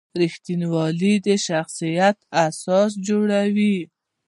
رښتینولي د شخصیت اساس جوړوي.